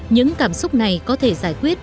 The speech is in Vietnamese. những cảm xúc này có thể giải quyết